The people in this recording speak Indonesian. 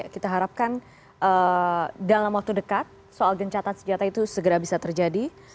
kita harapkan dalam waktu dekat soal gencatan senjata itu segera bisa terjadi